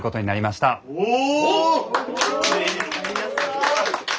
お！